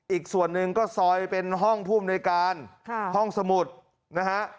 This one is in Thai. อีกส่วนหนึ่งก็ซอยเป็นห้องผู้อำนวยการห้องสมุดนะฮะ